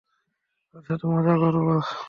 এর সাথে মজা করব?